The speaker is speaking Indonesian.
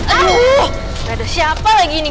aduh ada siapa lagi nih